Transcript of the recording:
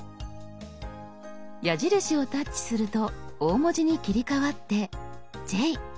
矢印をタッチすると大文字に切り替わって「Ｊ」。